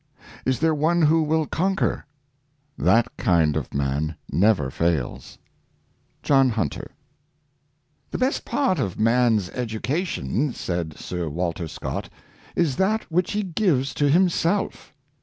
Is there one who will conquer ? That kind of man never fails.'* — John Hunter. HE best part of man's education,'' said Sir Walter Scott, " is that which he gives to himself."